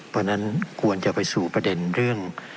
เพราะฉะนั้นควรจะไปสู่ประเด็นเรื่อง